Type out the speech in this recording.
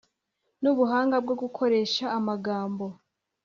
n’ubuhanga bwo gukoresha amagambo